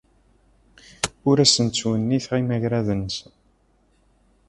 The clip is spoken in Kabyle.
Ur asen-ttwenniteɣ imagraden-nsen.